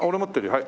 はい。